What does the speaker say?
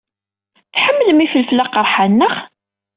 Tḥemmlem ifelfel aqerḥan, naɣ?